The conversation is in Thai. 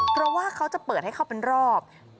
เพราะว่าเขาจะเปิดให้เข้าเป็นรอบ